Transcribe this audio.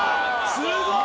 すごい！